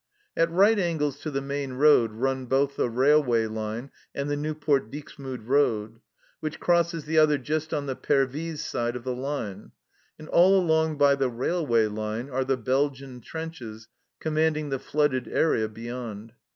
At right angles to the main road run both the railway line and the Nieuport Dixmude road, which crosses the other just on the Pervyse side of the line, and all along by the railway line are the Belgian trenches commanding the flooded area beyond.